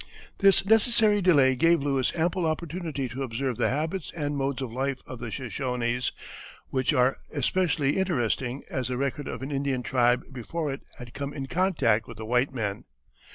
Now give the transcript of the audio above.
This necessary delay gave Lewis ample opportunity to observe the habits and modes of life of the Shoshones, which are especially interesting as the record of an Indian tribe before it had come in contact with the white men.